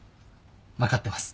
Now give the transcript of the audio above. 分かってます。